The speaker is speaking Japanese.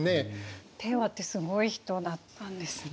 和ってすごい人だったんですね。